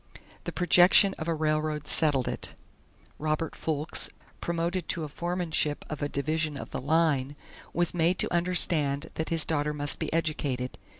The projection of a railroad settled it; Robert Foulkes, promoted to a foremanship of a division of the line, was made to understand that his daughter must be educated.